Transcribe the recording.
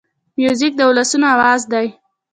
موزیک د ولسونو آواز دی.